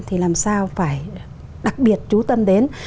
thì làm sao phải đặc biệt trú tâm đến